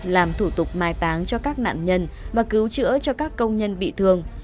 làm thủ tục mai táng cho các nạn nhân và cứu chữa cho các công nhân bị thương